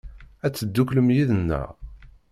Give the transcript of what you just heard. Ad tedduklem yid-neɣ?